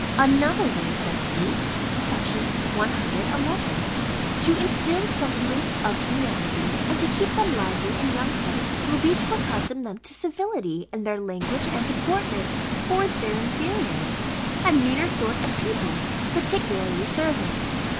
"Another way," says he (Section 111), "to instil sentiments of humanity, and to keep them lively in young folks, will be, to accustom them to civility in their language and deportment towards their inferiors, and meaner sort of people, particularly servants.